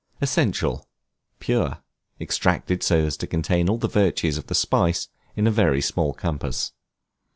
Essential, pure; extracted so as to contain all the virtues of the spice in a very small compass.